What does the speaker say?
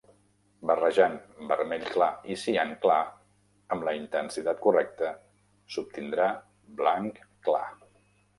Barrejant vermell clar i cian clar amb la intensitat correcte s'obtindrà blanc clar.